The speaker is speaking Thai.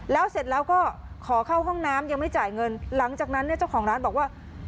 แล้วเสร็จแล้วก็ขอเข้าห้องน้ำยังไม่จ่ายเงินหลังจากนั้นเนี่ยเจ้าของร้านบอกว่า